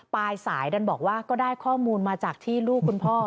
ปลายสายดันบอกว่าก็ได้ข้อมูลมาจากที่ลูกคุณพ่อ